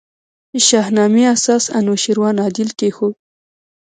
شاهنامې اساس انوشېروان عادل کښېښود.